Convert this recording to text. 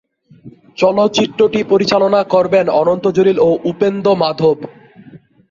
চলচ্চিত্রটি পরিচালনা করবেন অনন্ত জলিল ও উপেন্দ্র মাধব।